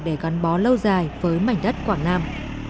để gắn bó lâu dài với mảnh đất quảng nam